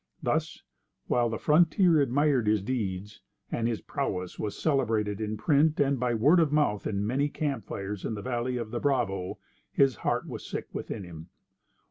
Thus, while the frontier admired his deeds, and his prowess was celebrated in print and by word of mouth in many camp fires in the valley of the Bravo, his heart was sick within him.